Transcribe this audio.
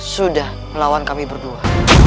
sudah melawan kami berdua